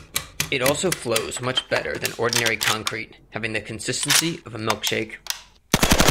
It also flows much better than ordinary concrete, having the consistency of a milkshake.